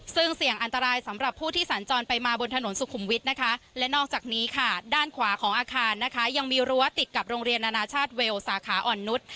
ซึ่งเสี่ยงอันตรายสำหรับผู้ที่สัญจรไปมาบนถนนสุขุมวิทย์นะคะและนอกจากนี้ค่ะด้านขวาของอาคารนะคะยังมีรั้วติดกับโรงเรียนนานาชาติเวลสาขาอ่อนนุษย์